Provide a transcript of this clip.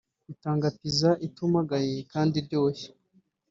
bigatanga pizza itumagaye kandi iryoshye